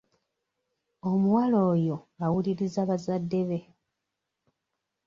Omuwala oyo awuliriza bazadde be.